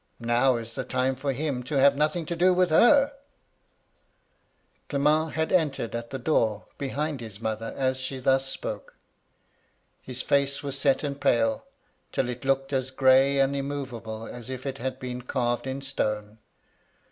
Now is the time for him to have nothing to do with herr "Clement had entered at the door behind his mother as she thus spoke. His face was set and pale, till it looked as gray and immovable as if it had been carved in stone.